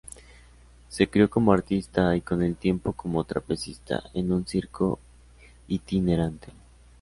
Se crio como artista, y con el tiempo como trapecista, en un circo itinerante.